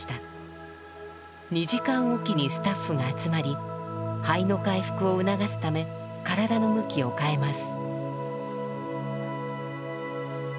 ２時間おきにスタッフが集まり肺の回復を促すため体の向きを変えます。